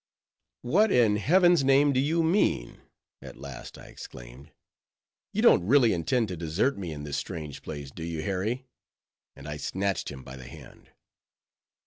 "What in heaven's name do you mean?" at last I exclaimed, "you don't really intend to desert me in this strange place, do you, Harry?" and I snatched him by the hand.